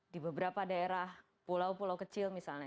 di beberapa daerah pulau pulau kecil misalnya